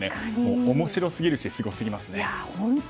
面白すぎるし、すごすぎますね。